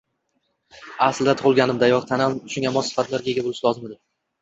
aslida, tug‘ilganimdayoq tanam shunga mos sifatlarga ega bo‘lishi lozim edi